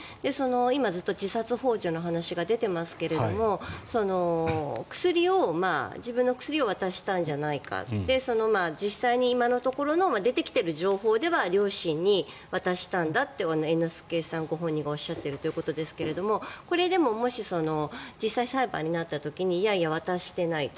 今、ずっと自殺ほう助の話が出ていますが自分の薬を渡したんじゃないか実際に今のところで出てきている情報では両親に渡したんだと猿之助さんご本人がおっしゃっているということですがこれ、もし実際に裁判になった時にいやいや、渡してないと。